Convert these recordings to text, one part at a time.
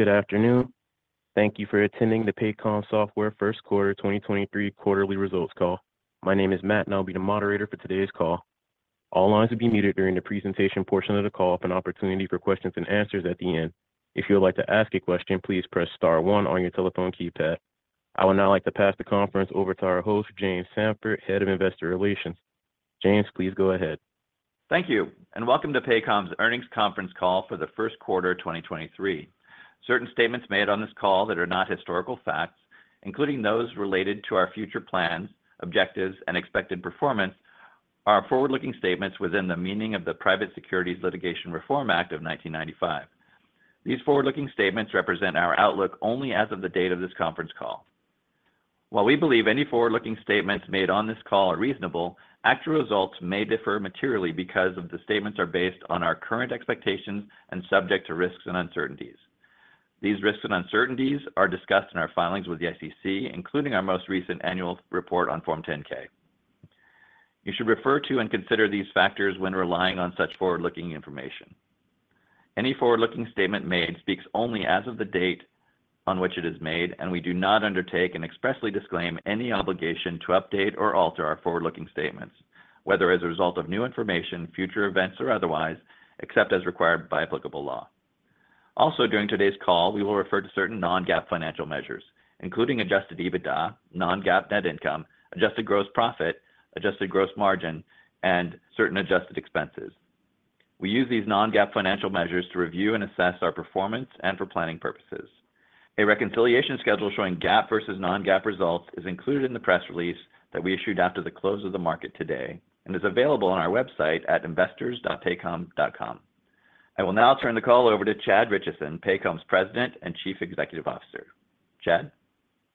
Good afternoon. Thank you for attending the Paycom Software first quarter 2023 quarterly results call. My name is Matt. I'll be the moderator for today's call. All lines will be muted during the presentation portion of the call with an opportunity for questions and answers at the end. If you would like to ask a question, please press star one on your telephone keypad. I would now like to pass the conference over to our host, James Samford, Head of Investor Relations. James, please go ahead. Thank you. And welcome to Paycom's Earnings Conference Call for the first quarter, 2023. Certain statements made on this call that are not historical facts, including those related to our future plans, objectives, and expected performance are forward-looking statements within the meaning of the Private Securities Litigation Reform Act of 1995. These forward-looking statements represent our outlook only as of the date of this conference call. While we believe any forward-looking statements made on this call are reasonable, actual results may differ materially because of the statements are based on our current expectations and subject to risks and uncertainties. These risks and uncertainties are discussed in our filings with the SEC, including our most recent annual report on Form 10-K. You should refer to and consider these factors when relying on such forward-looking information. Any forward-looking statement made speaks only as of the date on which it is made, and we do not undertake and expressly disclaim any obligation to update or alter our forward-looking statements, whether as a result of new information, future events, or otherwise, except as required by applicable law. During today's call, we will refer to certain non-GAAP financial measures, including adjusted EBITDA, non-GAAP net income, adjusted gross profit, adjusted gross margin, and certain adjusted expenses. We use these non-GAAP financial measures to review and assess our performance and for planning purposes. A reconciliation schedule showing GAAP versus non-GAAP results is included in the press release that we issued after the close of the market today and is available on our website at investors.paycom.com. I will now turn the call over to Chad Richison, Paycom's President and Chief Executive Officer. Chad?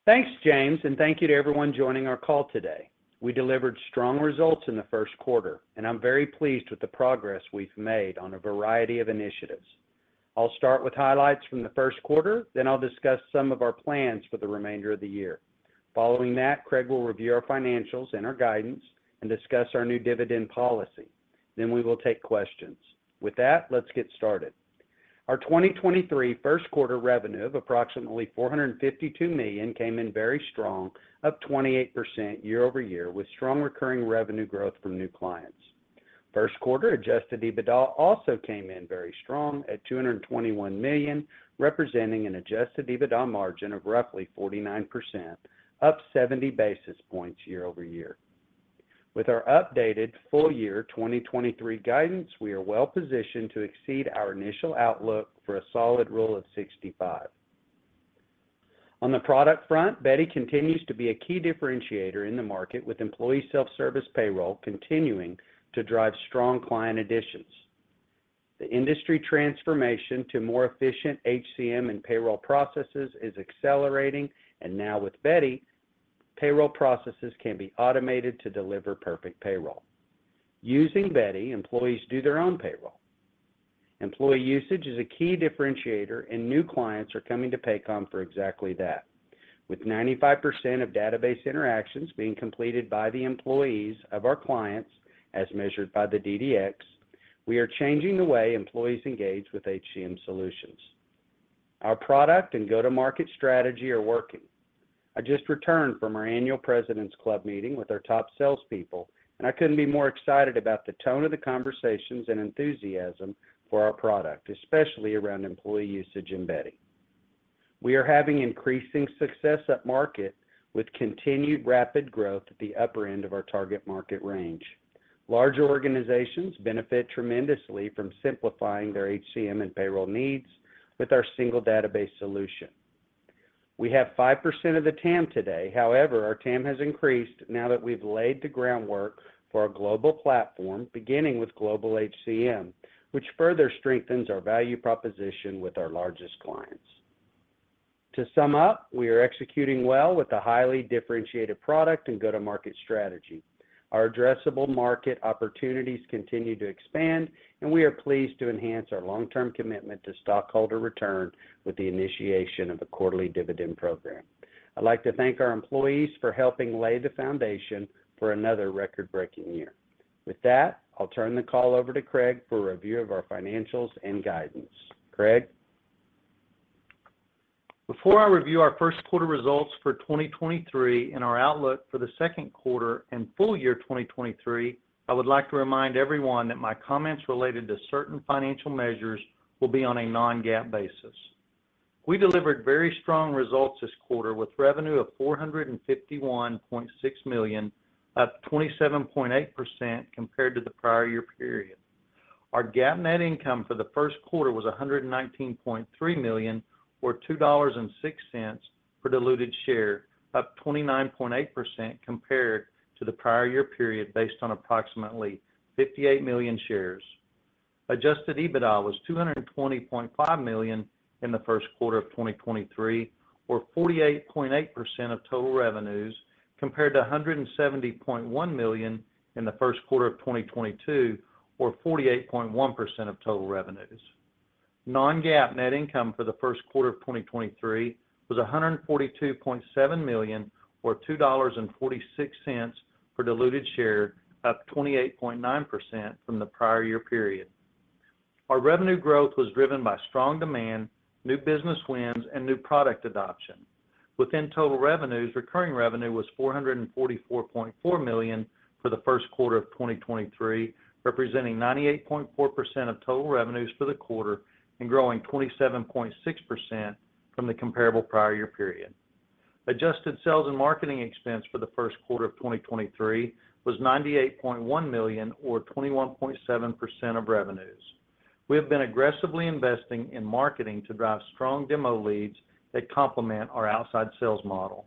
Thanks, James, and thank you to everyone joining our call today. We delivered strong results in the first quarter, and I'm very pleased with the progress we've made on a variety of initiatives. I'll start with highlights from the first quarter, then I'll discuss some of our plans for the remainder of the year. Following that, Craig will review our financials and our guidance and discuss our new dividend policy. We will take questions. With that, let's get started. Our 2023 first quarter revenue of approximately $452 million came in very strong, up 28% year-over-year, with strong recurring revenue growth from new clients. First quarter Adjusted EBITDA also came in very strong at $221 million, representing an Adjusted EBITDA margin of roughly 49%, up 70 basis points year-over-year. With our updated full year 2023 guidance, we are well positioned to exceed our initial outlook for a solid Rule of 65. On the product front, Beti continues to be a key differentiator in the market, with employee self-service payroll continuing to drive strong client additions. The industry transformation to more efficient HCM and payroll processes is accelerating, and now with Beti, payroll processes can be automated to deliver perfect payroll. Using Beti, employees do their own payroll. Employee usage is a key differentiator, and new clients are coming to Paycom for exactly that. With 95% of database interactions being completed by the employees of our clients, as measured by the DDX, we are changing the way employees engage with HCM solutions. Our product and go-to-market strategy are working. I just returned from our annual President's Club meeting with our top salespeople, and I couldn't be more excited about the tone of the conversations and enthusiasm for our product, especially around employee usage and Beti. We are having increasing success at market with continued rapid growth at the upper end of our target market range. Larger organizations benefit tremendously from simplifying their HCM and payroll needs with our single database solution. We have 5% of the TAM today. However, our TAM has increased now that we've laid the groundwork for a global platform, beginning with Global HCM, which further strengthens our value proposition with our largest clients. To sum up, we are executing well with a highly differentiated product and go-to-market strategy. Our addressable market opportunities continue to expand. We are pleased to enhance our long-term commitment to stockholder return with the initiation of a quarterly dividend program. I'd like to thank our employees for helping lay the foundation for another record-breaking year. With that, I'll turn the call over to Craig for a review of our financials and guidance. Craig? Before I review our first quarter results for 2023 and our outlook for the second quarter and full year 2023, I would like to remind everyone that my comments related to certain financial measures will be on a non-GAAP basis. We delivered very strong results this quarter with revenue of $451.6 million, up 27.8% compared to the prior year period. Our GAAP net income for the first quarter was $119.3 million or $2.06 per diluted share, up 29.8% compared to the prior year period based on approximately 58 million shares. Adjusted EBITDA was $220.5 million in the first quarter of 2023, or 48.8% of total revenues, compared to $170.1 million in the first quarter of 2022, or 48.1% of total revenues. non-GAAP net income for the first quarter of 2023 was $142.7 million, or $2.46 For diluted share, up 28.9% from the prior year period. Our revenue growth was driven by strong demand, new business wins, and new product adoption. Within total revenues, recurring revenue was $444.4 million for the first quarter of 2023, representing 98.4% of total revenues for the quarter and growing 27.6% from the comparable prior year period. Adjusted sales and marketing expense for the first quarter of 2023 was $98.1 million or 21.7% of revenues. We have been aggressively investing in marketing to drive strong demo leads that complement our outside sales model.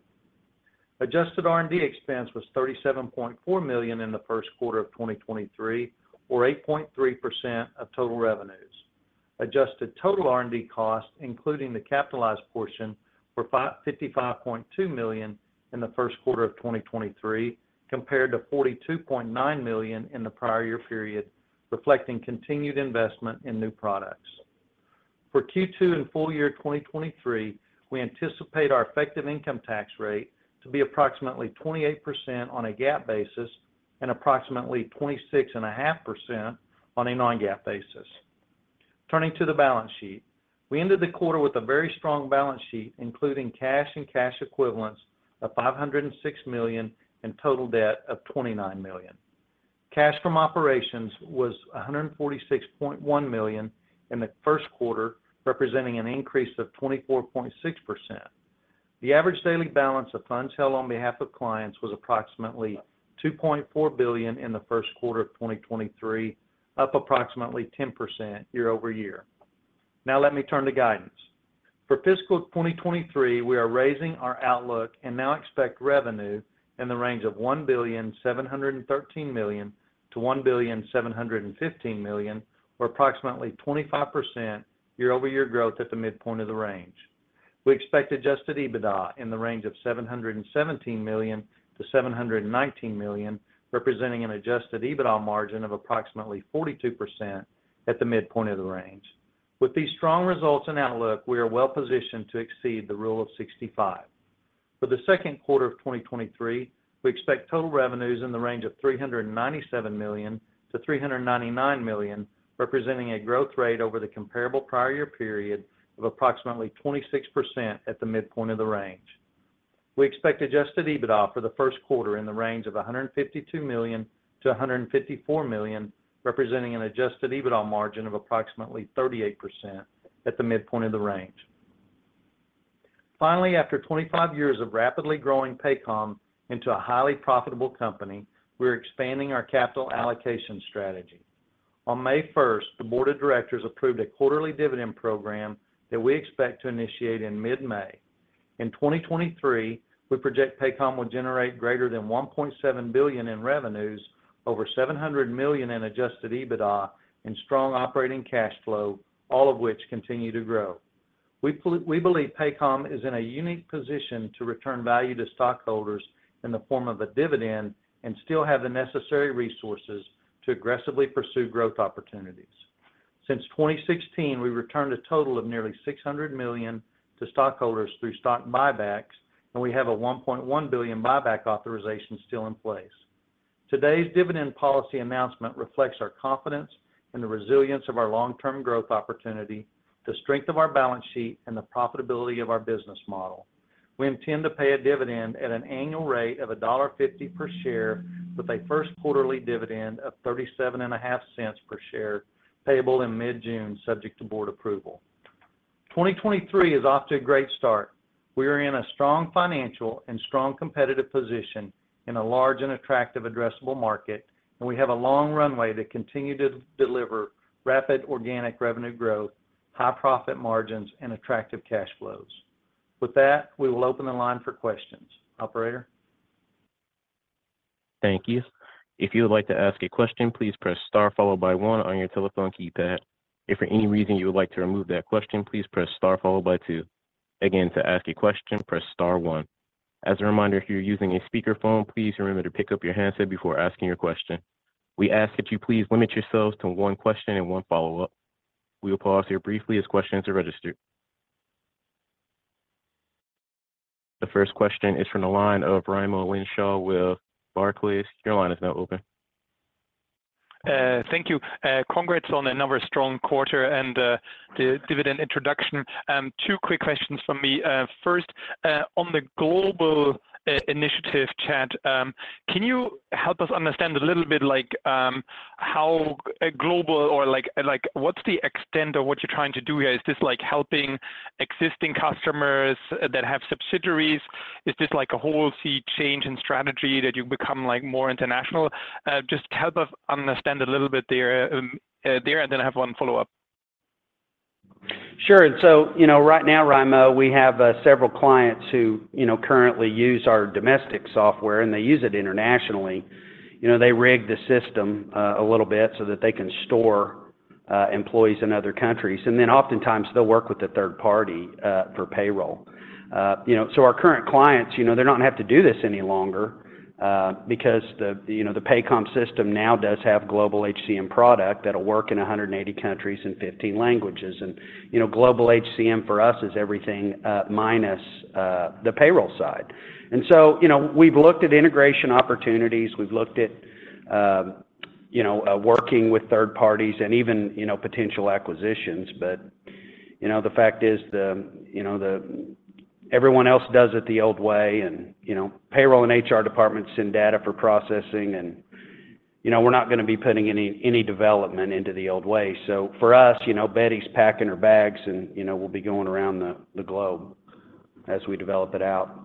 Adjusted R&D expense was $37.4 million in the first quarter of 2023 or 8.3% of total revenues. Adjusted total R&D costs, including the capitalized portion, were $55.2 million in the first quarter of 2023 compared to $42.9 million in the prior year period, reflecting continued investment in new products. For Q2 and full year 2023, we anticipate our effective income tax rate to be approximately 28% on a GAAP basis and approximately 26.5% on a non-GAAP basis. Turning to the balance sheet. We ended the quarter with a very strong balance sheet, including cash and cash equivalents of $506 million and total debt of $29 million. Cash from operations was $146.1 million in the first quarter, representing an increase of 24.6%. The average daily balance of funds held on behalf of clients was approximately $2.4 billion in Q1 2023, up approximately 10% year-over-year. Let me turn to guidance. For fiscal 2023, we are raising our outlook and now expect revenue in the range of $1.713 billion-$1.715 billion, or approximately 25% year-over-year growth at the midpoint of the range. We expect Adjusted EBITDA in the range of $717 million-$719 million, representing an Adjusted EBITDA margin of approximately 42% at the midpoint of the range. With these strong results in outlook, we are well positioned to exceed the Rule of 65. For the second quarter of 2023, we expect total revenues in the range of $397 million-$399 million, representing a growth rate over the comparable prior year period of approximately 26% at the midpoint of the range. We expect Adjusted EBITDA for the first quarter in the range of $152 million-$154 million, representing an Adjusted EBITDA margin of approximately 38% at the midpoint of the range. Finally, after 25 years of rapidly growing Paycom into a highly profitable company, we're expanding our capital allocation strategy. On May 1st, the board of directors approved a quarterly dividend program that we expect to initiate in mid-May. In 2023, we project Paycom will generate greater than $1.7 billion in revenues, over $700 million in Adjusted EBITDA, and strong operating cash flow, all of which continue to grow. We believe Paycom is in a unique position to return value to stockholders in the form of a dividend and still have the necessary resources to aggressively pursue growth opportunities. Since 2016, we returned a total of nearly $600 million to stockholders through stock buybacks, and we have a $1.1 billion buyback authorization still in place. Today's dividend policy announcement reflects our confidence in the resilience of our long-term growth opportunity, the strength of our balance sheet, and the profitability of our business model. We intend to pay a dividend at an annual rate of $1.50 per share with a first quarterly dividend of $0.375 per share payable in mid-June, subject to board approval. 2023 is off to a great start. We are in a strong financial and strong competitive position in a large and attractive addressable market, and we have a long runway to continue to deliver rapid organic revenue growth, high profit margins, and attractive cash flows. With that, we will open the line for questions. Operator? Thank you. If you would like to ask a question, please press star followed by one on your telephone keypad. If for any reason you would like to remove that question, please press star followed by two. Again, to ask a question, press star one. As a reminder, if you're using a speakerphone, please remember to pick up your handset before asking your question. We ask that you please limit yourselves to one question and one follow-up. We will pause here briefly as questions are registered. The first question is from the line of Raimo Lenschow with Barclays. Your line is now open. Thank you. Congrats on another strong quarter and the dividend introduction. Two quick questions from me. First, on the global initiative chat, can you help us understand a little bit like how global or like what's the extent of what you're trying to do here? Is this helping existing customers that have subsidiaries? Is this a wholesale change in strategy that you become more international? Just help us understand a little bit there, then I have one follow-up. Sure. You know, right now, Raimo, we have several clients who, you know, currently use our domestic software, and they use it internationally. You know, they rig the system a little bit so that they can store employees in other countries. Oftentimes they'll work with a third party for payroll. You know, our current clients, you know, they're don't have to do this any longer, because the, you know, the Paycom system now does have Global HCM product that'll work in 180 countries in 15 languages. You know, Global HCM for us is everything, minus the payroll side. You know, we've looked at integration opportunities, we've looked at. You know, working with third parties and even, you know, potential acquisitions. You know, the fact is, you know, everyone else does it the old way and, you know, payroll and HR departments send data for processing and, you know, we're not gonna be putting any development into the old way. For us, you know, Beti's packing her bags and, you know, we'll be going around the globe as we develop it out.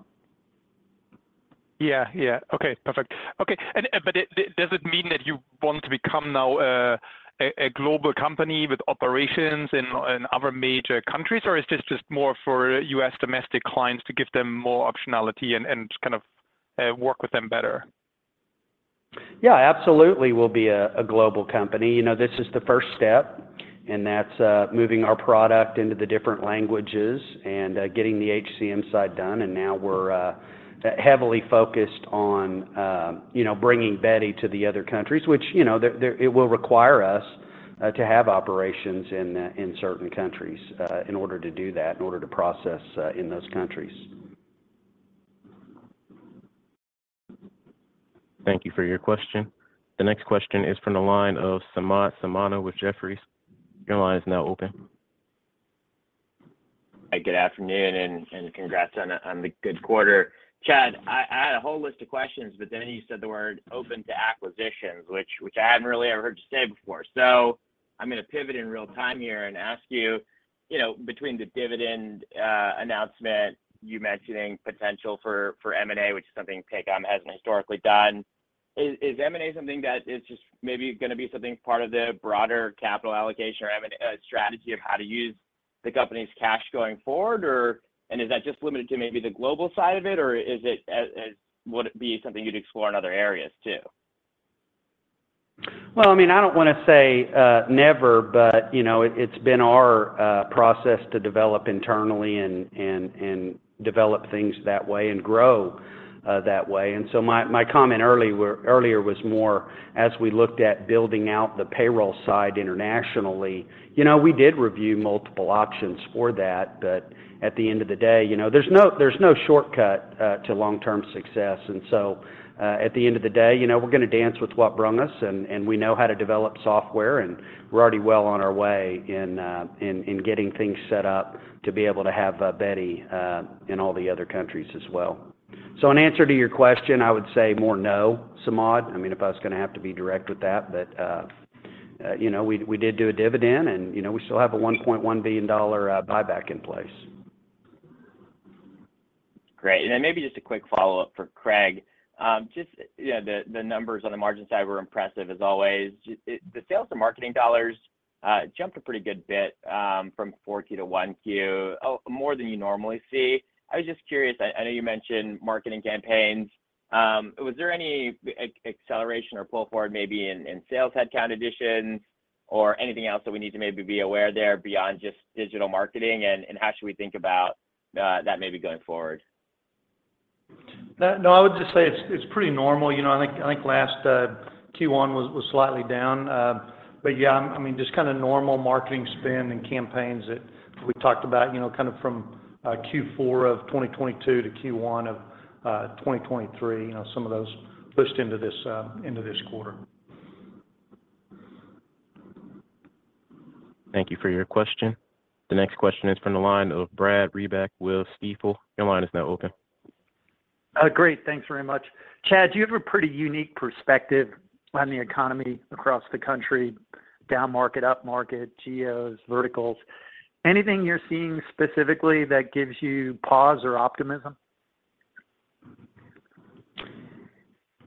Yeah. Yeah. Okay, perfect. Okay. does it mean that you want to become now a global company with operations in other major countries, or is this just more for U.S. domestic clients to give them more optionality and kind of, work with them better? Yeah, absolutely, we'll be a global company. You know, this is the first step, and that's moving our product into the different languages and getting the HCM side done. Now we're heavily focused on, you know, bringing Beti to the other countries, which, you know, it will require us to have operations in certain countries in order to do that, in order to process in those countries. Thank you for your question. The next question is from the line of Samad Samana with Jefferies. Your line is now open. Hi, good afternoon, and congrats on the good quarter. Chad, I had a whole list of questions, but then you said the word open to acquisitions, which I hadn't really ever heard you say before. I'm gonna pivot in real time here and ask you know, between the dividend announcement, you mentioning potential for M&A, which is something Paycom hasn't historically done. Is M&A something that is just maybe gonna be something part of the broader capital allocation or strategy of how to use the company's cash going forward, or... Is that just limited to maybe the global side of it, or would it be something you'd explore in other areas too? Well, I mean, I don't wanna say, never, but, you know, it's been our process to develop internally and develop things that way and grow that way. My comment earlier was more as we looked at building out the payroll side internationally. You know, we did review multiple options for that. At the end of the day, you know, there's no shortcut to long-term success. At the end of the day, you know, we're gonna dance with what brung us, and we know how to develop software, and we're already well on our way in getting things set up to be able to have Beti in all the other countries as well. In answer to your question, I would say more no, Samad. I mean, if I was gonna have to be direct with that. You know, we did do a dividend, and, you know, we still have a $1.1 billion buyback in place. Great. Then maybe just a quick follow-up for Craig. Just, yeah, the numbers on the margin side were impressive as always. Just the sales and marketing dollars jumped a pretty good bit from four Q to one Q. More than you normally see. I was just curious, I know you mentioned marketing campaigns. Was there any acceleration or pull forward maybe in sales headcount addition or anything else that we need to maybe be aware there beyond just digital marketing? How should we think about that maybe going forward? No, no. I would just say it's pretty normal. You know, I think, I think last Q1 was slightly down. Yeah, I mean, just kinda normal marketing spend and campaigns that we talked about, you know, kind of from Q4 of 2022 to Q1 of 2023. You know, some of those pushed into this quarter. Thank you for your question. The next question is from the line of Brad Reback with Stifel. Your line is now open. Great. Thanks very much. Chad, you have a pretty unique perspective on the economy across the country. Down market, up market, geos, verticals. Anything you're seeing specifically that gives you pause or optimism?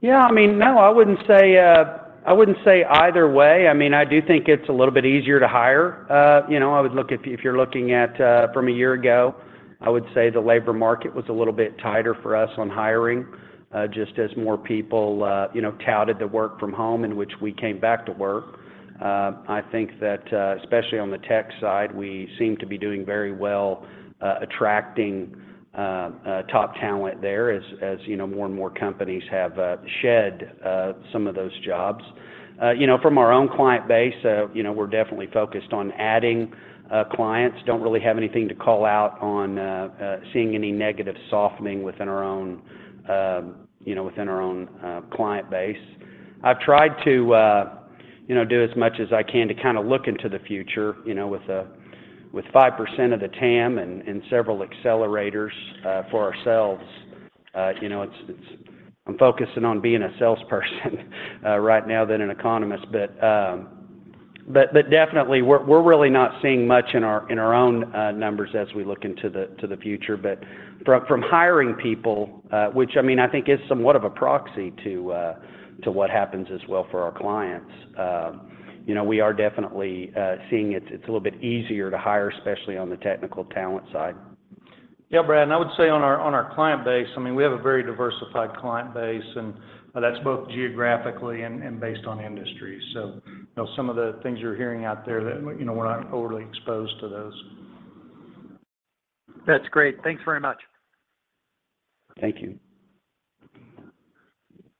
I mean, no, I wouldn't say I wouldn't say either way. I mean, I do think it's a little bit easier to hire. You know, if you're looking at from a year ago, I would say the labor market was a little bit tighter for us on hiring, just as more people, you know, touted the work from home in which we came back to work. I think that especially on the tech side, we seem to be doing very well attracting top talent there as, you know, more and more companies have shed some of those jobs. You know, from our own client base, you know, we're definitely focused on adding clients. Don't really have anything to call out on, seeing any negative softening within our own, you know, within our own client base. I've tried to, you know, do as much as I can to kind of look into the future, you know, with 5% of the TAM and several accelerators for ourselves. You know, I'm focusing on being a salesperson right now than an economist. Definitely we're really not seeing much in our own numbers as we look into the future. From hiring people, which, I mean, I think is somewhat of a proxy to what happens as well for our clients, you know, we are definitely seeing it's a little bit easier to hire, especially on the technical talent side. Brad, I would say on our client base, I mean, we have a very diversified client base, and that's both geographically and based on industry. You know, some of the things you're hearing out there that, you know, we're not overly exposed to those. That's great. Thanks very much. Thank you.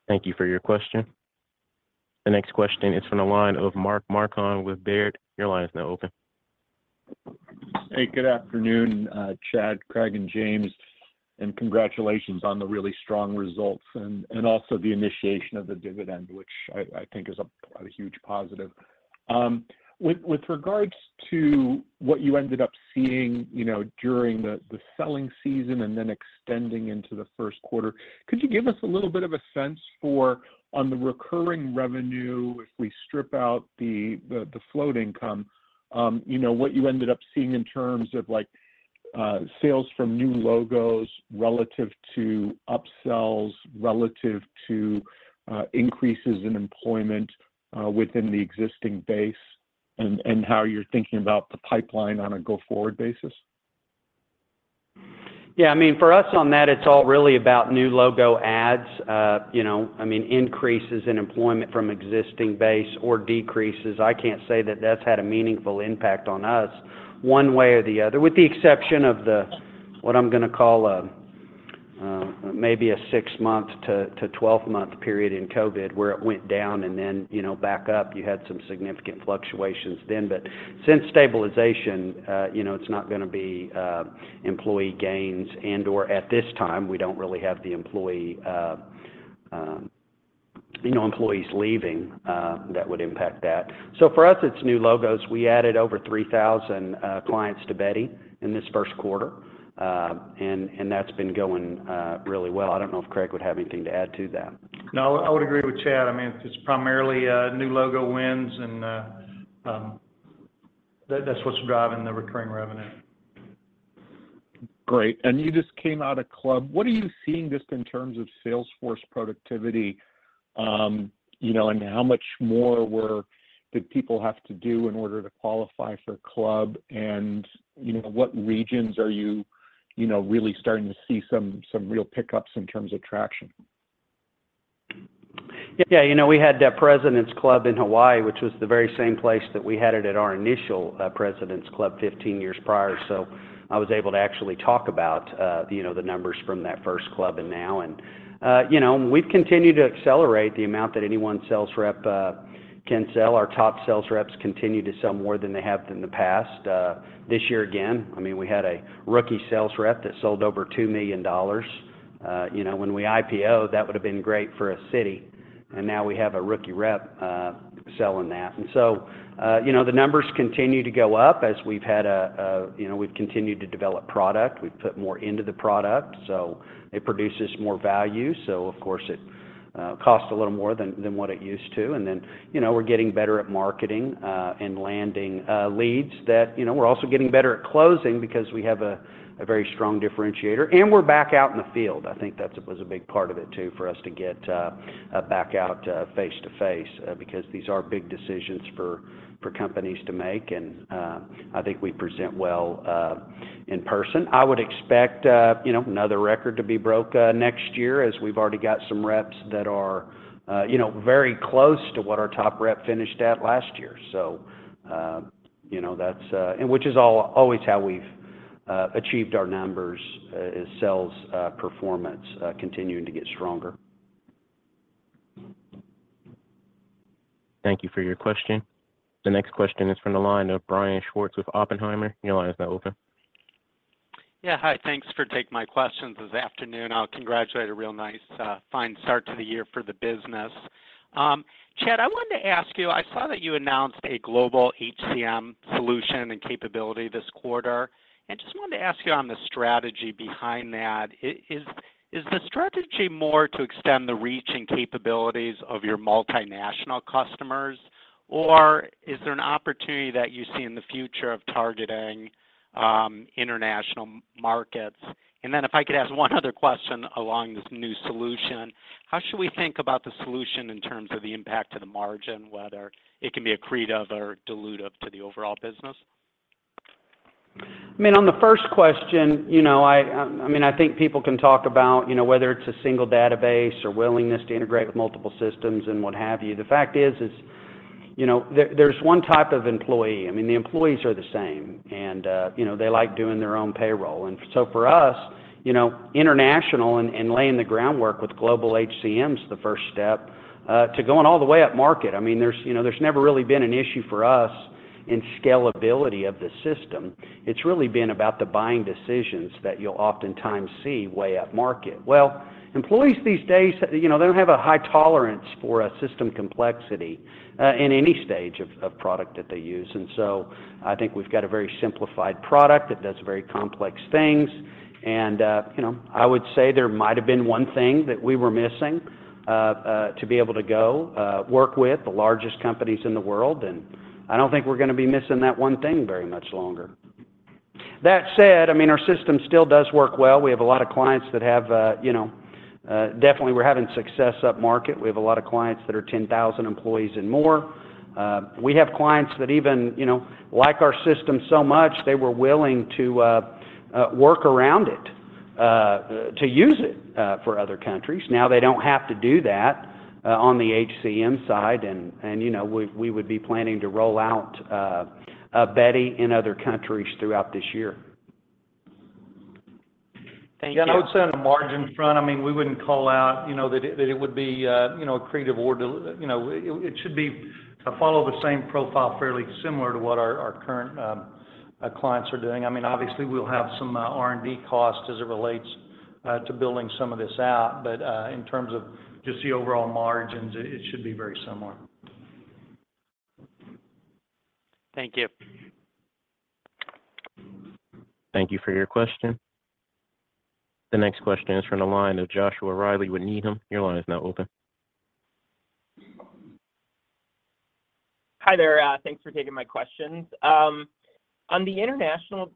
Thank you for your question. The next question is from the line of Mark Marcon with Baird. Your line is now open. Hey, good afternoon, Chad, Craig, and James, and congratulations on the really strong results and also the initiation of the dividend, which I think is quite a huge positive. With regards to what you ended up seeing, you know, during the selling season and then extending into the first quarter, could you give us a little bit of a sense for on the recurring revenue, if we strip out the float income, you know, what you ended up seeing in terms of like sales from new logos relative to upsells, relative to increases in employment within the existing base and how you're thinking about the pipeline on a go-forward basis? Yeah, I mean, for us on that, it's all really about new logo ads. you know, I mean, increases in employment from existing base or decreases. I can't say that that's had a meaningful impact on us one way or the other, with the exception of the, what I'm gonna call, maybe a 6-month to 12-month period in COVID where it went down and then, you know, back up. You had some significant fluctuations then. Since stabilization, you know, it's not gonna be, employee gains and/or at this time, we don't really have the employee, you know, employees leaving, that would impact that. For us, it's new logos. We added over 3,000 clients to Beti in this first quarter, that's been going, really well. I don't know if Craig would have anything to add to that. No, I would agree with Chad. I mean, it's primarily new logo wins and that's what's driving the recurring revenue. Great. You just came out of Club. What are you seeing just in terms of sales force productivity, you know, how much more did people have to do in order to qualify for Club? What regions are you know, really starting to see some real pickups in terms of traction? You know, we had that President's Club in Hawaii, which was the very same place that we had it at our initial President's Club 15 years prior. I was able to actually talk about, you know, the numbers from that first Club and now. You know, we've continued to accelerate the amount that any one sales rep can sell. Our top sales reps continue to sell more than they have in the past. This year again, I mean, we had a rookie sales rep that sold over $2 million. You know, when we IPO'd, that would have been great for a city, now we have a rookie rep selling that. You know, the numbers continue to go up as we've had a, you know, we've continued to develop product. We've put more into the product, so it produces more value. Of course, it costs a little more than what it used to. You know, we're getting better at marketing and landing leads that... You know, we're also getting better at closing because we have a very strong differentiator, and we're back out in the field. I think that's was a big part of it, too, for us to get back out face-to-face because these are big decisions for companies to make. I think we present well in person. I would expect, you know, another record to be broke next year as we've already got some reps that are, you know, very close to what our top rep finished at last year. You know, that's... Which is always how we've achieved our numbers, is sales performance continuing to get stronger. Thank you for your question. The next question is from the line of Brian Schwartz with Oppenheimer. Your line is now open. Yeah, hi. Thanks for taking my questions this afternoon. I'll congratulate a real nice, fine start to the year for the business. Chad, I wanted to ask you, I saw that you announced a Global HCM solution and capability this quarter, and just wanted to ask you on the strategy behind that. Is the strategy more to extend the reach and capabilities of your multinational customers, or is there an opportunity that you see in the future of targeting international markets? If I could ask one other question along this new solution, how should we think about the solution in terms of the impact to the margin, whether it can be accretive or dilutive to the overall business? I mean, on the first question, you know, I mean, I think people can talk about, you know, whether it's a single database or willingness to integrate with multiple systems and what have you. The fact is, you know, there's one type of employee. I mean, the employees are the same and, you know, they like doing their own payroll. For us, you know, international and laying the groundwork with Global HCM is the first step to going all the way up market. I mean, there's, you know, there's never really been an issue for us in scalability of the system. It's really been about the buying decisions that you'll oftentimes see way up market. Well, employees these days, you know, they don't have a high tolerance for system complexity in any stage of product that they use. I think we've got a very simplified product that does very complex things. You know, I would say there might've been one thing that we were missing to be able to go work with the largest companies in the world, and I don't think we're gonna be missing that one thing very much longer. That said, I mean, our system still does work well. We have a lot of clients that have, you know, definitely we're having success up market. We have a lot of clients that are 10,000 employees and more. We have clients that even, you know, like our system so much, they were willing to work around it to use it for other countries. Now they don't have to do that on the HCM side, you know, we would be planning to roll out Beti in other countries throughout this year. Yeah, I would say on the margin front, I mean, we wouldn't call out, you know, that it would be, you know, accretive or you know, it should follow the same profile fairly similar to what our current clients are doing. I mean, obviously, we'll have some R&D costs as it relates to building some of this out. In terms of just the overall margins, it should be very similar. Thank you. Thank you for your question. The next question is from the line of Joshua Reilly with Needham. Your line is now open. Hi there. Thanks for taking my questions. On the international,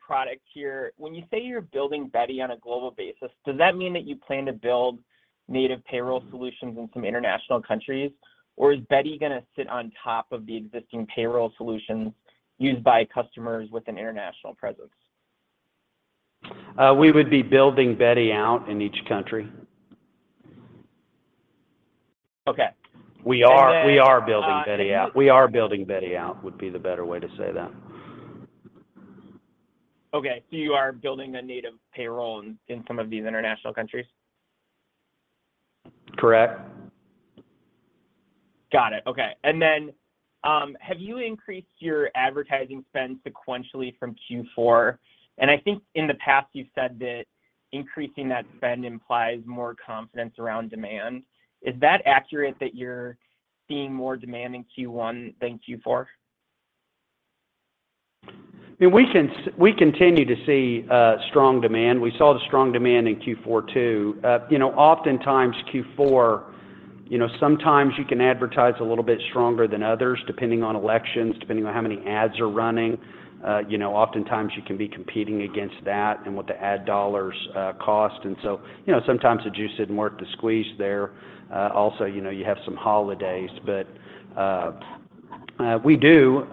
product here, when you say you're building Beti on a global basis, does that mean that you plan to build native payroll solutions in some international countries? Or is Beti gonna sit on top of the existing payroll solutions used by customers with an international presence? We would be building Beti out in each country. Okay. We are building Beti out. We are building Beti out, would be the better way to say that. Okay. You are building a native payroll in some of these international countries? Correct. Got it. Okay. Have you increased your advertising spend sequentially from Q4? In the past you've said that increasing that spend implies more confidence around demand. Is that accurate that you're seeing more demand in Q1 than Q4? I mean, we continue to see strong demand. We saw the strong demand in Q4, too. You know, oftentimes Q4, you know, sometimes you can advertise a little bit stronger than others, depending on elections, depending on how many ads are running. You know, oftentimes you can be competing against that and what the ad dollars cost. You know, sometimes the juice isn't worth the squeeze there. You know, you have some holidays. We do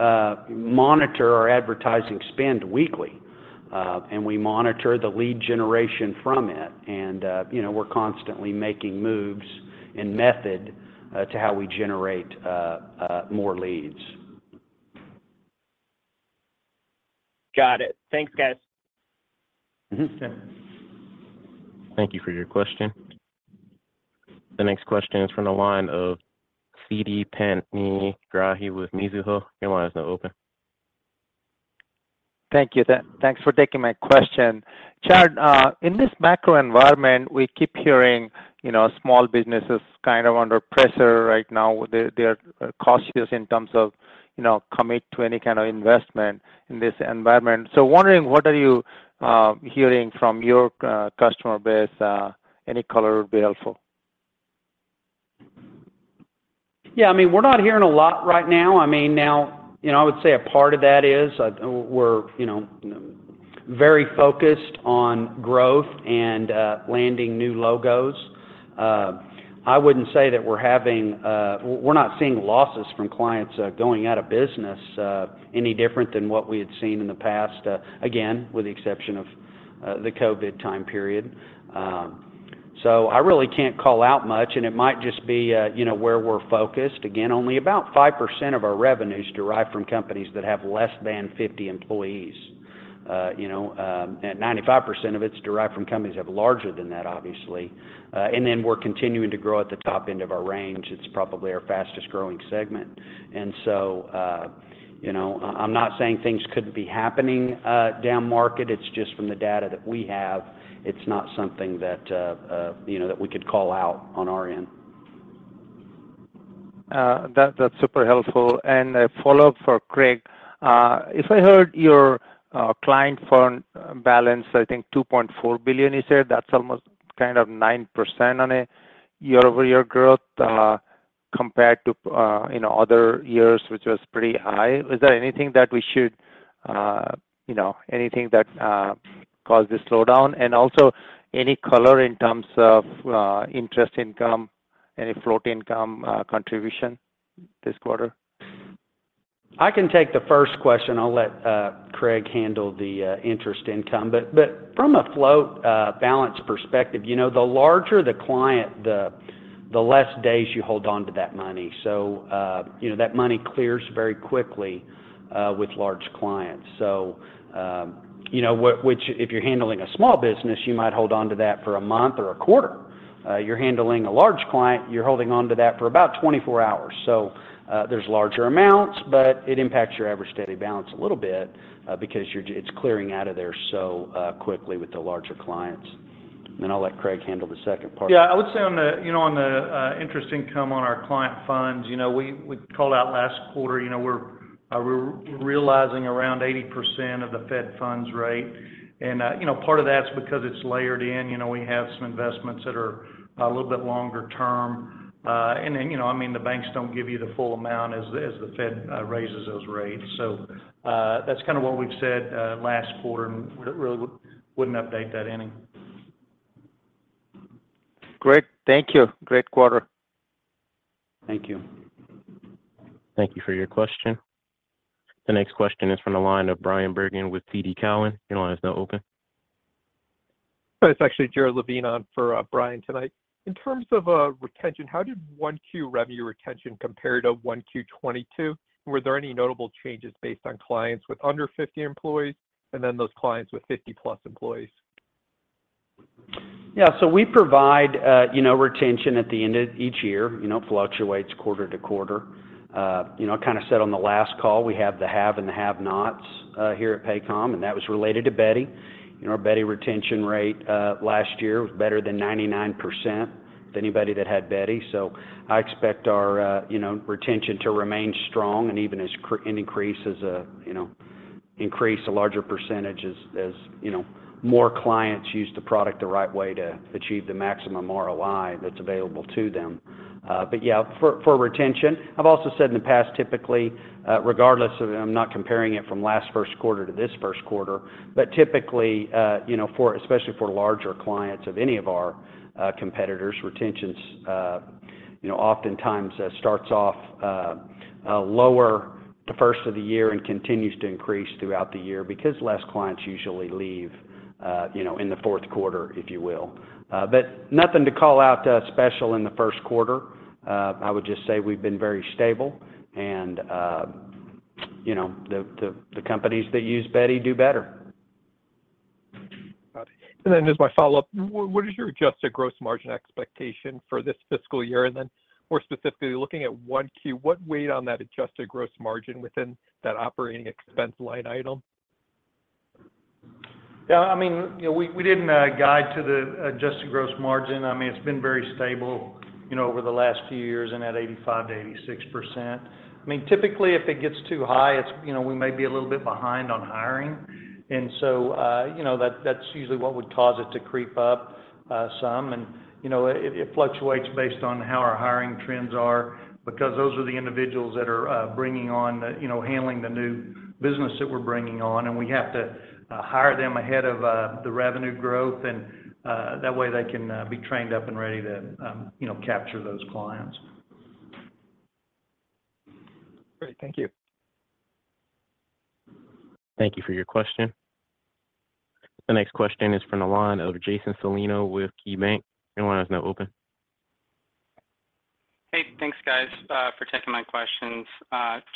monitor our advertising spend weekly, and we monitor the lead generation from it. You know, we're constantly making moves in method to how we generate more leads. Got it. Thanks, guys. Mm-hmm. Thank you for your question. The next question is from the line of Siti Panigrahi with Mizuho. Your line is now open. Thank you. Thanks for taking my question. Chad, in this macro environment, we keep hearing, you know, small businesses kind of under pressure right now. They're cautious in terms of, you know, commit to any kind of investment in this environment. Wondering, what are you hearing from your customer base? Any color would be helpful. Yeah, I mean, we're not hearing a lot right now. I mean, now, you know, I would say a part of that is, we're, you know, very focused on growth and landing new logos. We're not seeing losses from clients going out of business any different than what we had seen in the past, again, with the exception of the COVID time period. I really can't call out much, and it might just be, you know, where we're focused. Again, only about 5% of our revenue is derived from companies that have less than 50 employees. You know, and 95% of it is derived from companies that are larger than that, obviously. We're continuing to grow at the top end of our range. It's probably our fastest growing segment. You know, I'm not saying things couldn't be happening down market. It's just from the data that we have, it's not something that, you know, that we could call out on our end. That's super helpful. A follow-up for Craig. If I heard your client fund balance, I think $2.4 billion you said, that's almost kind of 9% on a year-over-year growth, compared to, you know, other years, which was pretty high. Is there anything that we should, you know, anything that caused the slowdown? Also, any color in terms of interest income, any float income, contribution this quarter? I can take the first question. I'll let Craig handle the interest income. From a float balance perspective, you know, the larger the client, the less days you hold onto that money. You know, that money clears very quickly with large clients. You know, which if you're handling a small business, you might hold onto that for a month or a quarter. You're handling a large client, you're holding onto that for about 24 hours. There's larger amounts, but it impacts your ever steady balance a little bit because it's clearing out of there so quickly with the larger clients. I'll let Craig handle the second part. Yeah. I would say on the, you know, on the interest income on our client funds, you know, we called out last quarter, you know, we're realizing around 80% of the Fed funds rate. You know, part of that's because it's layered in. You know, we have some investments that are a little bit longer term. You know, I mean, the banks don't give you the full amount as the Fed raises those rates. That's kind of what we've said last quarter, and we really wouldn't update that any. Great. Thank you. Great quarter. Thank you. Thank you for your question. The next question is from the line of Bryan Bergin with TD Cowen. Your line is now open. It's actually Jared Levine on for Brian tonight. In terms of retention, how did 1Q revenue retention compare to 1Q 2022, were there any notable changes based on clients with under 50 employees and then those clients with 50+ employees? Yeah. We provide, you know, retention at the end of each year, you know, fluctuates quarter to quarter. You know, I kinda said on the last call we have the have and the have-nots here at Paycom, and that was related to Beti. You know, our Beti retention rate last year was better than 99% than anybody that had Beti. I expect our, you know, retention to remain strong and even an increase as a, you know, increase a larger percentage as, you know, more clients use the product the right way to achieve the maximum ROI that's available to them. Yeah, for retention, I've also said in the past, typically, regardless of it, I'm not comparing it from last first quarter to this first quarter. Typically, you know, for, especially for larger clients of any of our competitors, retentions, you know, oftentimes, starts off lower the first of the year and continues to increase throughout the year because less clients usually leave, you know, in the fourth quarter, if you will. Nothing to call out special in the first quarter. I would just say we've been very stable and, you know, the companies that use Beti do better. Got it. As my follow-up, what is your adjusted gross margin expectation for this fiscal year? More specifically looking at 1Q, what weighed on that adjusted gross margin within that operating expense line item? Yeah, I mean, you know, we didn't guide to the adjusted gross margin. I mean, it's been very stable, you know, over the last few years and at 85%-86%. I mean, typically, if it gets too high, it's, you know, we may be a little bit behind on hiring. You know, that's usually what would cause it to creep up some. You know, it fluctuates based on how our hiring trends are because those are the individuals that are bringing on the, you know, handling the new business that we're bringing on, and we have to hire them ahead of the revenue growth, and that way they can be trained up and ready to, you know, capture those clients. Great. Thank you. Thank you for your question. The next question is from the line of Jason Celino with KeyBank. Your line is now open. Hey, thanks, guys, for taking my questions.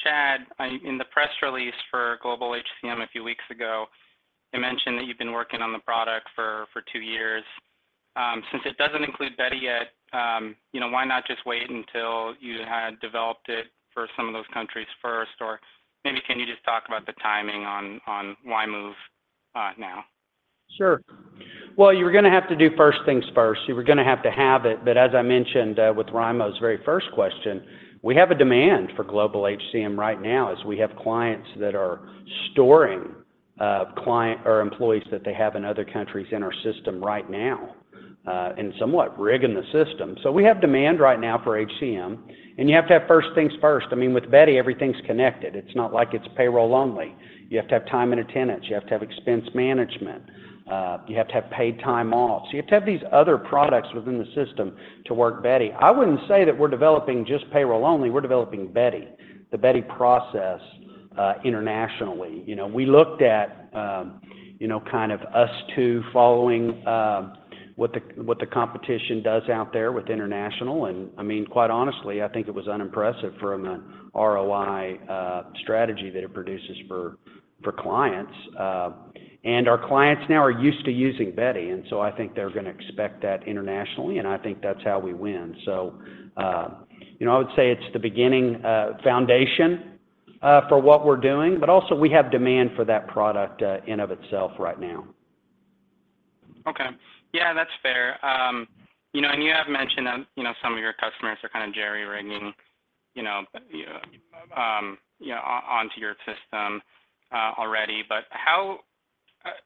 Chad, in the press release for Global HCM a few weeks ago, you mentioned that you've been working on the product for two years. Since it doesn't include Beti yet, you know, why not just wait until you had developed it for some of those countries first? Maybe can you just talk about the timing on why move now? Sure. Well, you were gonna have to do first things first. You were gonna have to have it. As I mentioned, with Raimo's very first question, we have a demand for Global HCM right now as we have clients that are storing, client or employees that they have in other countries in our system right now, and somewhat rigging the system. We have demand right now for HCM, and you have to have first things first. I mean, with Beti, everything's connected. It's not like it's payroll only. You have to have time and attendance. You have to have expense management. You have to have paid time off. You have to have these other products within the system to work Beti. I wouldn't say that we're developing just payroll only. We're developing Beti, the Beti process, internationally. You know, we looked at, you know, kind of us two following, what the, what the competition does out there with international. I mean, quite honestly, I think it was unimpressive from an ROI strategy that it produces for clients. Our clients now are used to using Beti, and so I think they're gonna expect that internationally, and I think that's how we win. You know, I would say it's the beginning, foundation, for what we're doing, but also we have demand for that product in of itself right now. Okay. Yeah, that's fair. You know, you have mentioned that, you know, some of your customers are kind of jerry-rigging, you know, yeah, onto your system already. How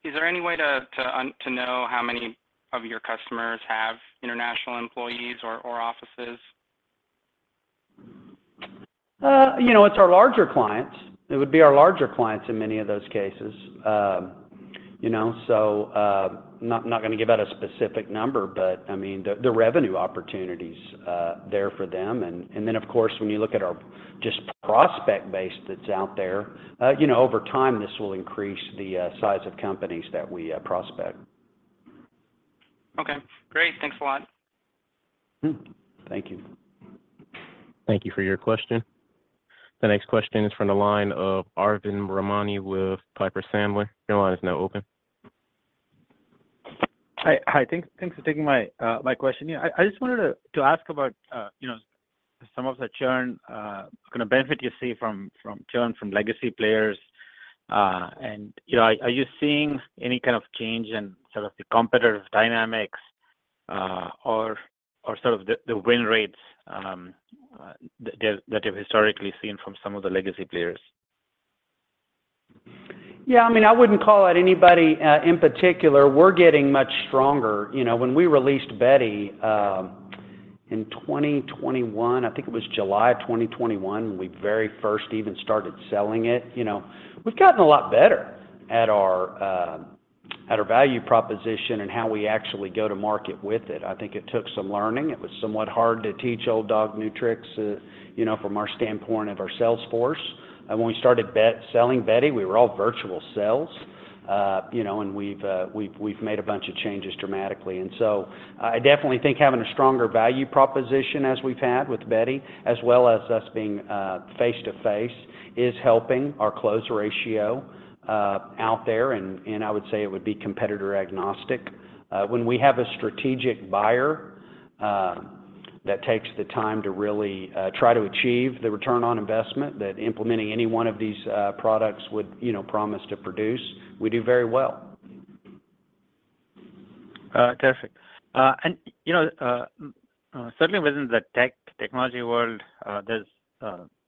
is there any way to know how many of your customers have international employees or offices? You know, it's our larger clients. It would be our larger clients in many of those cases. You know, not gonna give out a specific number, but I mean, the revenue opportunity's there for them. Of course, when you look at our just prospect base that's out there, you know, over time, this will increase the size of companies that we prospect. Okay. Great. Thanks a lot. Mm-hmm. Thank you. Thank you for your question. The next question is from the line of Arvind Ramnani with Piper Sandler. Your line is now open. Hi. Thanks for taking my question. I just wanted to ask about, you know, some of the churn, kinda benefit you see from churn from legacy players. You know, are you seeing any kind of change in sort of the competitive dynamics, or sort of the win rates, that you've historically seen from some of the legacy players? Yeah, I mean, I wouldn't call out anybody in particular. We're getting much stronger. You know, when we released Beti in 2021, I think it was July of 2021, we very first even started selling it. You know, we've gotten a lot better at our value proposition and how we actually go to market with it. I think it took some learning. It was somewhat hard to teach old dog new tricks, you know, from our standpoint of our sales force. When we started selling Beti, we were all virtual sales. You know, we've made a bunch of changes dramatically. I definitely think having a stronger value proposition as we've had with Beti as well as us being face to face is helping our close ratio out there. I would say it would be competitor agnostic. When we have a strategic buyer, That takes the time to really try to achieve the return on investment that implementing any one of these products would, you know, promise to produce, we do very well. Terrific. You know, certainly within the technology world, there's,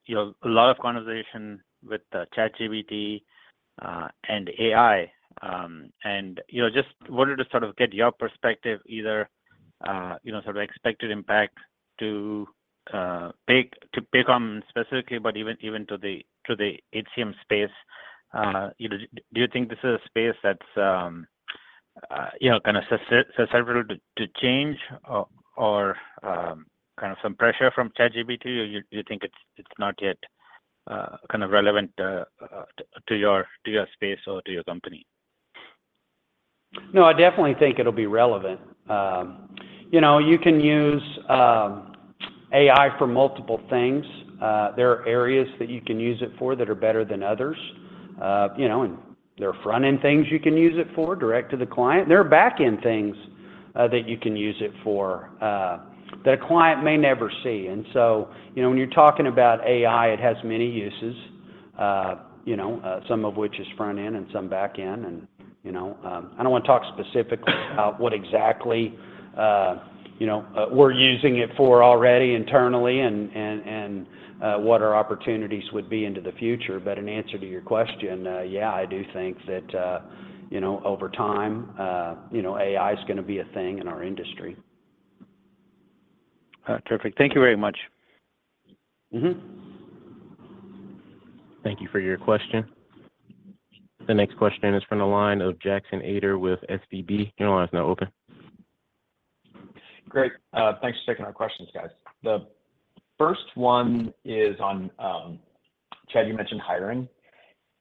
you know, a lot of conversation with ChatGPT and AI. You know, just wanted to sort of get your perspective either, you know, sort of expected impact to to pick on specifically, but even to the HCM space. You know, do you think this is a space that's, you know, gonna susceptible to change or kind of some pressure from ChatGPT, or you think it's not yet kind of relevant to your space or to your company? No, I definitely think it'll be relevant. You know, you can use AI for multiple things. There are areas that you can use it for that are better than others. You know, there are front-end things you can use it for direct to the client. There are back-end things that you can use it for that a client may never see. You know, when you're talking about AI, it has many uses, you know, some of which is front-end and some back-end. You know, I don't want to talk specifically about what exactly, you know, we're using it for already internally and what our opportunities would be into the future. In answer to your question, yeah, I do think that, you know, over time, you know, AI is gonna be a thing in our industry. terrific. Thank you very much. Mm-hmm. Thank you for your question. The next question is from the line of Jackson Ader with SVB. Your line is now open. Great. Thanks for taking our questions, guys. The first one is on, Chad, you mentioned hiring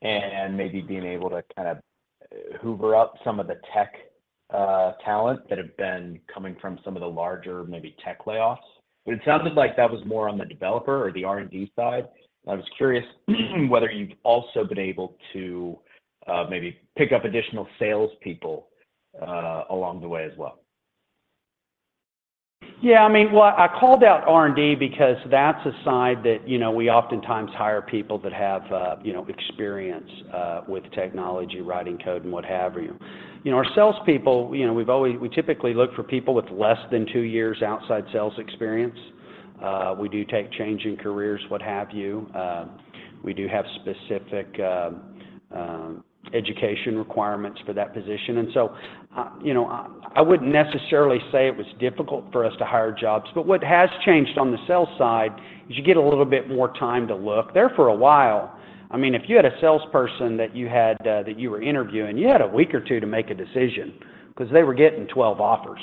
and maybe being able to kind of hoover up some of the tech talent that have been coming from some of the larger maybe tech layoffs. It sounded like that was more on the developer or the R&D side. I was curious whether you've also been able to maybe pick up additional sales people along the way as well? Yeah, I mean, well, I called out R&D because that's a side that, you know, we oftentimes hire people that have, you know, experience with technology, writing code, and what have you. You know, our sales people, you know, we typically look for people with less than two years outside sales experience. We do take change in careers, what have you. We do have specific education requirements for that position. You know, I wouldn't necessarily say it was difficult for us to hire jobs, but what has changed on the sales side is you get a little bit more time to look. There for a while, I mean, if you had a salesperson that you had, that you were interviewing, you had a week or two to make a decision 'cause they were getting 12 offers.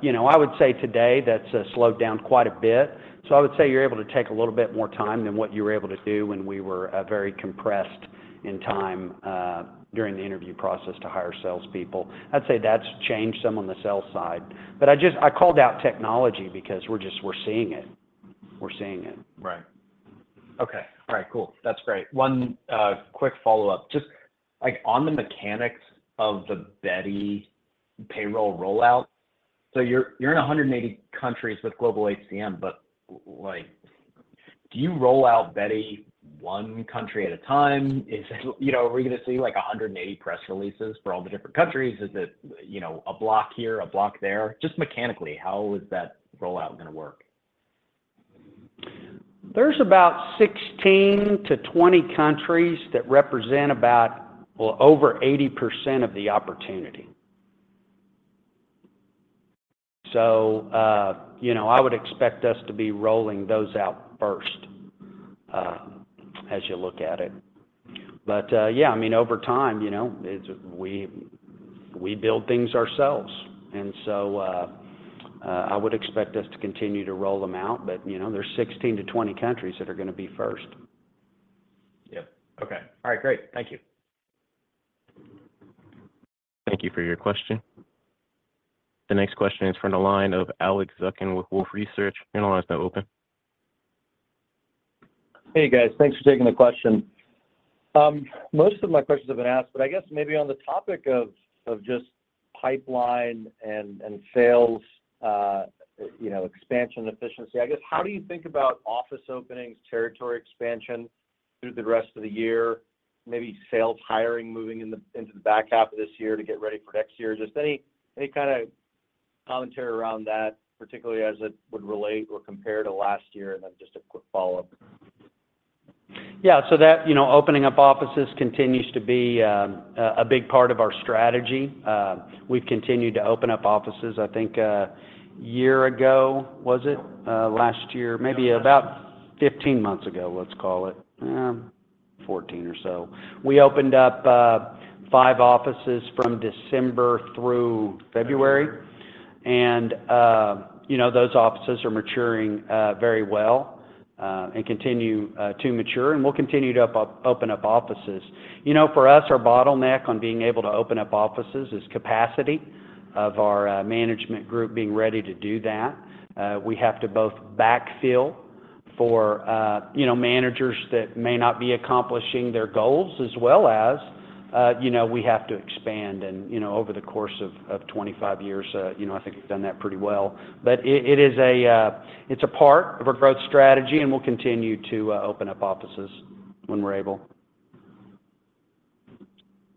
you know, I would say today that's slowed down quite a bit. I would say you're able to take a little bit more time than what you were able to do when we were very compressed in time during the interview process to hire sales people. I'd say that's changed some on the sales side. I called out technology because we're just, we're seeing it. We're seeing it. Right. Okay. All right, cool. That's great. One quick follow-up. Just, like, on the mechanics of the Beti payroll rollout. You're, you're in 180 countries with Global HCM. Like, do you roll out Beti one country at a time? Is it, you know, are we gonna see, like, 180 press releases for all the different countries? Is it, you know, a block here, a block there? Just mechanically, how is that rollout gonna work? There's about 16 to 20 countries that represent about, well, over 80% of the opportunity. You know, I would expect us to be rolling those out first, as you look at it. Yeah, I mean, over time, you know, it's, we build things ourselves. I would expect us to continue to roll them out. You know, there's 16 to 20 countries that are gonna be first. Yep. Okay. All right, great. Thank you. Thank you for your question. The next question is from the line of Alex Zukin with Wolfe Research. Your line is now open. Hey, guys. Thanks for taking the question. Most of my questions have been asked, but I guess maybe on the topic of just pipeline and sales, you know, expansion efficiency, I guess, how do you think about office openings, territory expansion through the rest of the year, maybe sales hiring into the back half of this year to get ready for next year? Just any kinda commentary around that, particularly as it would relate or compare to last year? Then just a quick follow-up. Yeah. That... You know, opening up offices continues to be a big part of our strategy. We've continued to open up offices, I think, a year ago, was it? Last year. Maybe about 15 months ago, let's call it. 14 or so. We opened up 5 offices from December through February. You know, those offices are maturing very well and continue to mature, and we'll continue to open up offices. You know, for us, our bottleneck on being able to open up offices is capacity of our management group being ready to do that. We have to both backfill for, you know, managers that may not be accomplishing their goals as well as, you know, we have to expand. You know, over the course of 25 years, you know, I think we've done that pretty well. It, it is a, it's a part of our growth strategy, and we'll continue to, open up offices when we're able.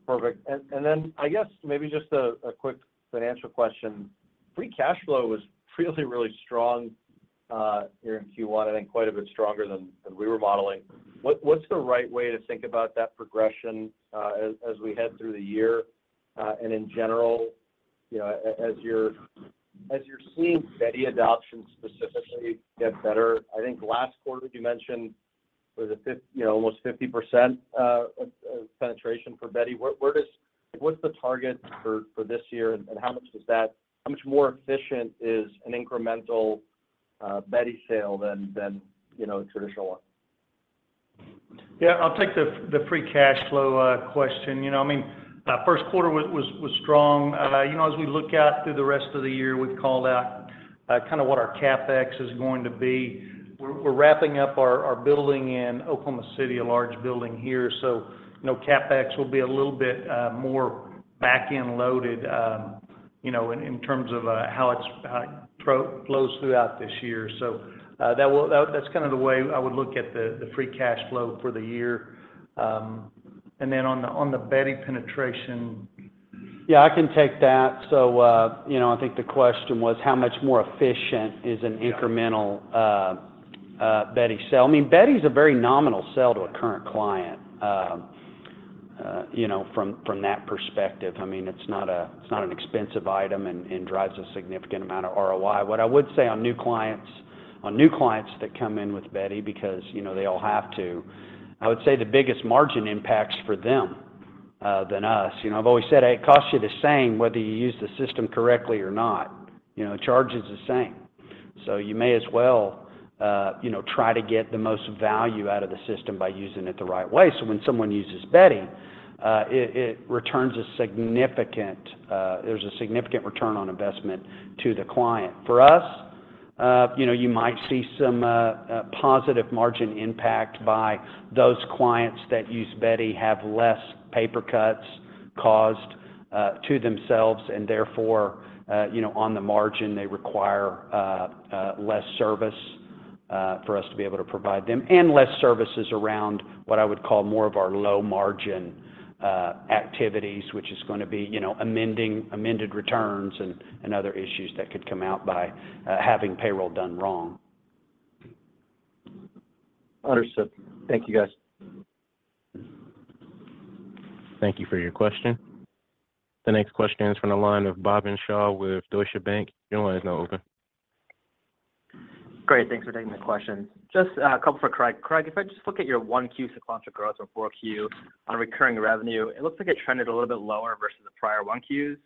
Perfect. Then I guess maybe just a quick financial question. Free cashflow was really, really strong here in Q1, I think quite a bit stronger than we were modeling. What's the right way to think about that progression as we head through the year? In general, you know, as you're seeing Beti adoption specifically get better, I think last quarter you mentioned it was you know, almost 50% penetration for Beti. Where does... Like, what's the target for this year, and how much does that... How much more efficient is an incremental Beti sale than, you know, a traditional one? I'll take the free cash flow question. You know, I mean, first quarter was strong. You know, as we look out through the rest of the year, we've called out kind of what our CapEx is going to be. We're wrapping up our building in Oklahoma City, a large building here. You know, CapEx will be a little bit more back-end loaded, you know, in terms of how it flows throughout this year. That's kind of the way I would look at the free cash flow for the year. And then on the Beti penetration. Yeah, I can take that. you know, I think the question was how much more efficient is an. Yeah Beti sale. I mean, Beti is a very nominal sale to a current client, you know, from that perspective. I mean, it's not an expensive item and drives a significant amount of ROI. What I would say on new clients that come in with Beti because, you know, they all have to, I would say the biggest margin impact's for them than us. You know, I've always said it costs you the same whether you use the system correctly or not. You know, the charge is the same. You may as well, you know, try to get the most value out of the system by using it the right way. When someone uses Beti, it returns a significant, there's a significant return on investment to the client. For us, you know, you might see some positive margin impact by those clients that use Beti have less paper cuts caused to themselves, and therefore, you know, on the margin, they require less service for us to be able to provide them, and less services around what I would call more of our low margin activities, which is gonna be, you know, amending amended returns and other issues that could come out by having payroll done wrong. Understood. Thank you, guys. Thank you for your question. The next question is from the line of Bhavin Shah with Deutsche Bank. Your line is now open. Great. Thanks for taking the question. Just a couple for Craig. Craig, if I just look at your 1Q sequential growth on 4Q on recurring revenue, it looks like it trended a little bit lower versus the prior 1Qs.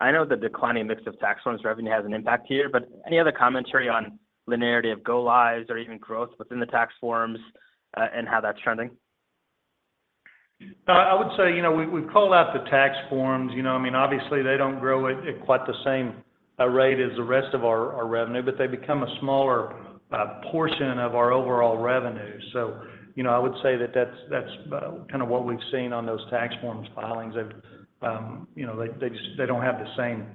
I know the declining mix of tax forms revenue has an impact here, but any other commentary on linearity of go lives or even growth within the tax forms, and how that's trending? I would say, you know, we've called out the tax forms. You know, I mean, obviously they don't grow at quite the same rate as the rest of our revenue, but they become a smaller portion of our overall revenue. You know, I would say that that's kind of what we've seen on those tax forms filings. They've, you know, they don't have the same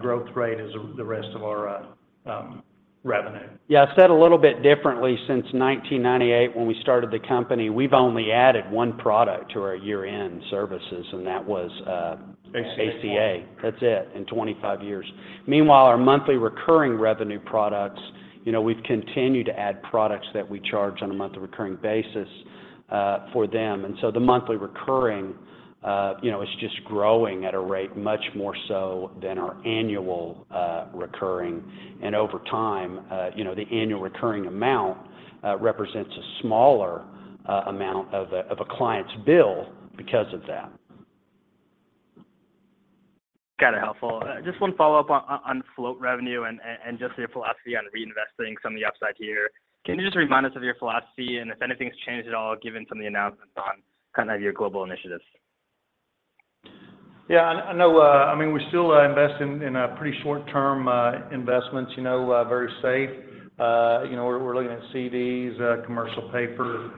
growth rate as the rest of our revenue. Yeah, I'd say it a little bit differently. Since 1998 when we started the company, we've only added 1 product to our year-end services, and that was. ACA ... ACA. That's it, in 25 years. Meanwhile, our monthly recurring revenue products, you know, we've continued to add products that we charge on a monthly recurring basis for them. The monthly recurring, you know, is just growing at a rate much more so than our annual recurring. Over time, you know, the annual recurring amount represents a smaller amount of a, of a client's bill because of that. Got it. Helpful. Just one follow-up on float revenue and just your philosophy on reinvesting some of the upside here. Can you just remind us of your philosophy and if anything's changed at all given some of the announcements on kind of your global initiatives? Yeah. I know, I mean, we still invest in pretty short-term investments, you know, very safe. You know, we're looking at CDs, commercial paper,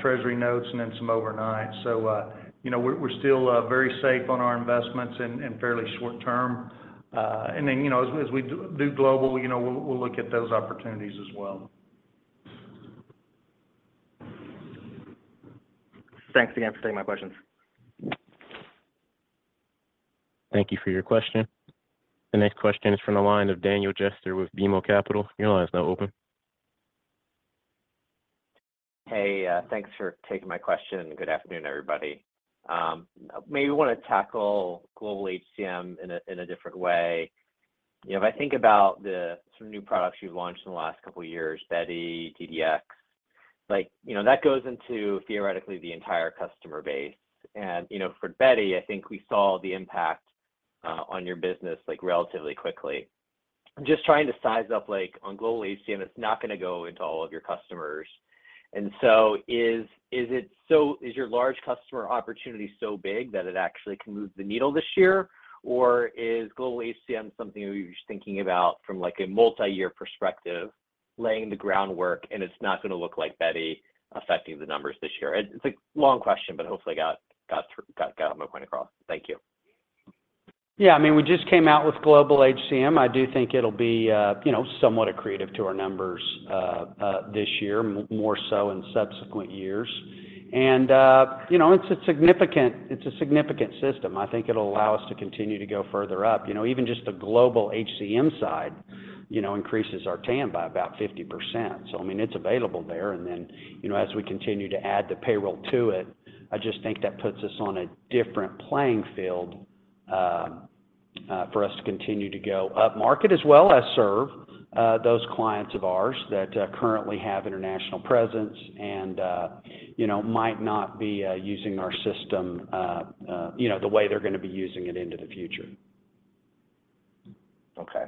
treasury notes and then some overnight. We're still very safe on our investments and fairly short term. You know, as we do global, you know, we'll look at those opportunities as well. Thanks again for taking my questions. Thank you for your question. The next question is from the line of Daniel Jester with BMO Capital. Your line is now open. Hey, thanks for taking my question, good afternoon, everybody. Maybe wanna tackle Global HCM in a different way. You know, if I think about the sort of new products you've launched in the last couple years, Beti, DDX, like, you know, that goes into theoretically the entire customer base. You know, for Beti, I think we saw the impact on your business, like, relatively quickly. I'm just trying to size up, like on Global HCM, it's not gonna go into all of your customers. So is your large customer opportunity so big that it actually can move the needle this year? Is Global HCM something that you're just thinking about from, like, a multi-year perspective, laying the groundwork, and it's not gonna look like Beti affecting the numbers this year? It's a long question, but hopefully I got all my point across. Thank you. Yeah. I mean, we just came out with Global HCM. I do think it'll be, you know, somewhat accretive to our numbers this year, more so in subsequent years. It's a significant system. I think it'll allow us to continue to go further up. You know, even just the Global HCM side, you know, increases our TAM by about 50%. I mean, it's available there. You know, as we continue to add the payroll to it, I just think that puts us on a different playing field for us to continue to go up-market, as well as serve those clients of ours that currently have international presence and, you know, might not be using our system, you know, the way they're gonna be using it into the future. Okay.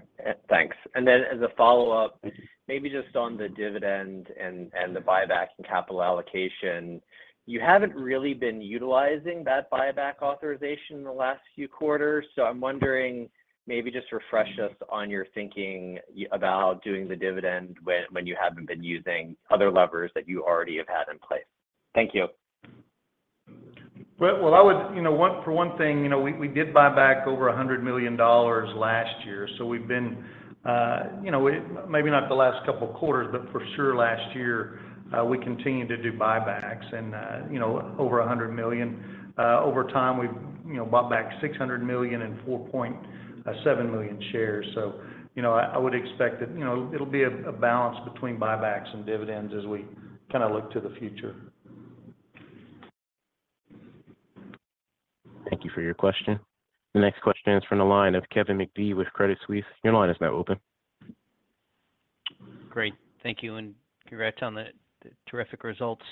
thanks. As a follow-up, maybe just on the dividend and the buyback and capital allocation, you haven't really been utilizing that buyback authorization in the last few quarters. I'm wondering, maybe just refresh us on your thinking about doing the dividend when you haven't been using other levers that you already have had in place. Thank you. Well, I would... You know, for one thing, you know, we did buy back over $100 million last year, so we've been, you know, maybe not the last couple of quarters, but for sure last year, we continued to do buybacks. Over $100 million. Over time, we've, you know, bought back $600 million and 4.7 million shares. You know, I would expect that, you know, it'll be a balance between buybacks and dividends as we kinda look to the future. Thank you for your question. The next question is from the line of Kevin McVeigh with Credit Suisse. Your line is now open. Great. Thank you, and congrats on the terrific results.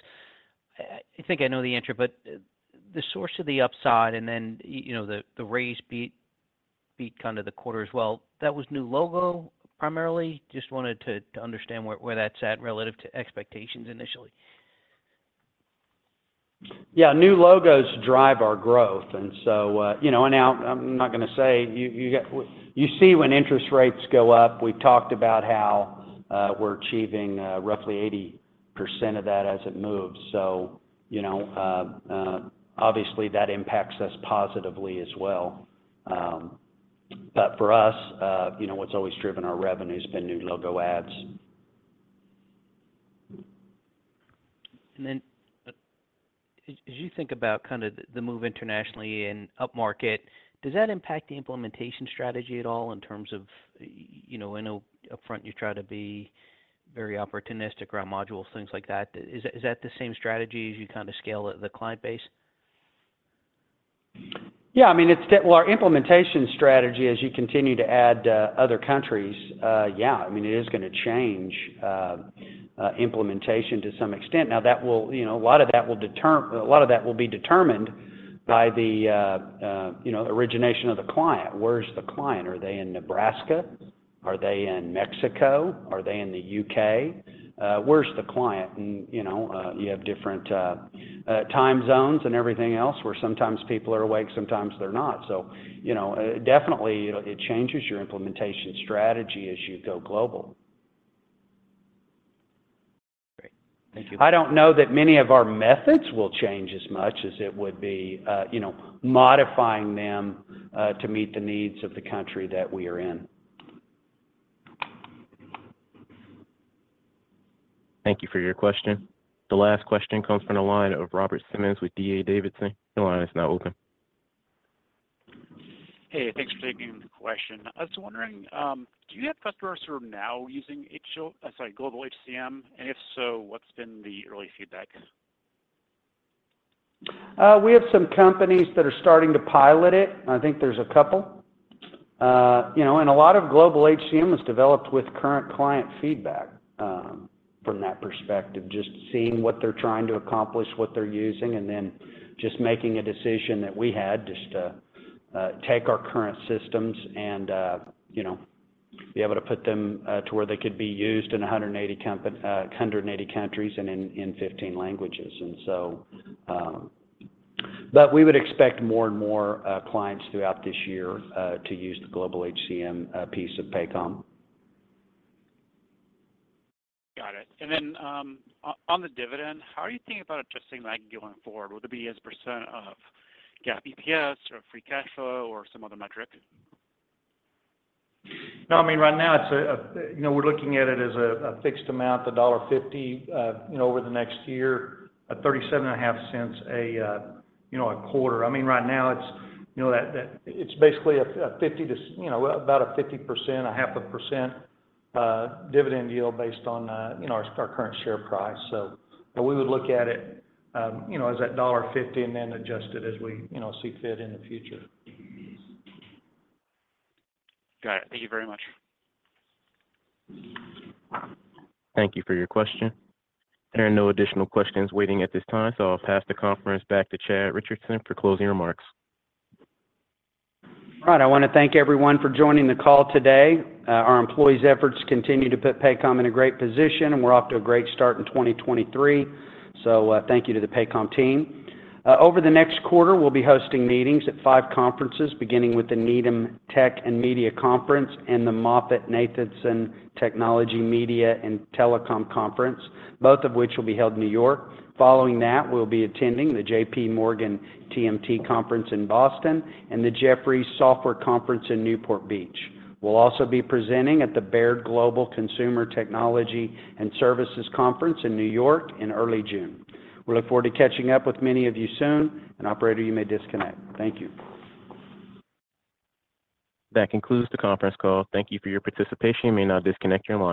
I think I know the answer, but the source of the upside and then, you know, the raise beat kind of the quarter as well. That was new logo, primarily? Just wanted to understand where that's at relative to expectations initially. Yeah. New logos drive our growth. You know, you see when interest rates go up, we've talked about how we're achieving roughly 80% of that as it moves. You know, obviously that impacts us positively as well. For us, you know, what's always driven our revenue has been new logo adds. As you think about kinda the move internationally and up-market, does that impact the implementation strategy at all in terms of, you know, I know upfront you try to be very opportunistic around modules, things like that? Is that the same strategy as you kinda scale it, the client base? Yeah. I mean, it's... Well, our implementation strategy as you continue to add other countries, yeah, I mean, it is gonna change implementation to some extent. That will, you know, a lot of that will be determined by the, you know, origination of the client. Where's the client? Are they in Nebraska? Are they in Mexico? Are they in the U.K.? Where's the client? You know, you have different time zones and everything else where sometimes people are awake, sometimes they're not. You know, definitely, you know, it changes your implementation strategy as you go global. Great. Thank you. I don't know that many of our methods will change as much as it would be, you know, modifying them, to meet the needs of the country that we are in. Thank you for your question. The last question comes from the line of Robert Simmons with D.A. Davidson. Your line is now open. Hey, thanks for taking the question. I was wondering, do you have customers who are now using Global HCM? And if so, what's been the early feedback? We have some companies that are starting to pilot it. I think there's a couple. You know, a lot of Global HCM was developed with current client feedback from that perspective. Just seeing what they're trying to accomplish, what they're using, and then just making a decision that we had just to take our current systems and, you know, be able to put them to where they could be used in 180 countries and in 15 languages. We would expect more and more clients throughout this year to use the Global HCM piece of Paycom. Got it. On the dividend, how are you thinking about adjusting that going forward? Will it be as % of GAAP EPS or free cash flow or some other metric? No, I mean, right now it's, you know, we're looking at it as a fixed amount, $1.50, you know, over the next year, $0.375 a, you know, a quarter. I mean, right now it's, you know, basically, you know, about a 50%, 0.5% dividend yield based on, you know, our current share price. We would look at it, you know, as that $1.50 and then adjust it as we, you know, see fit in the future. Got it. Thank you very much. Thank you for your question. There are no additional questions waiting at this time. I'll pass the conference back to Chad Richison for closing remarks. All right. I wanna thank everyone for joining the call today. Our employees' efforts continue to put Paycom in a great position, and we're off to a great start in 2023. Thank you to the Paycom team. Over the next quarter, we'll be hosting meetings at five conferences, beginning with the Needham Technology & Media Conference and the MoffettNathanson Technology, Media, and Telecom Conference, both of which will be held in New York. Following that, we'll be attending the JPMorgan TMT Conference in Boston and the Jefferies Software Conference in Newport Beach. We'll also be presenting at the Baird Global Consumer, Technology & Services Conference in New York in early June. We look forward to catching up with many of you soon. Operator, you may disconnect. Thank you. That concludes the conference call. Thank you for your participation. You may now disconnect your line.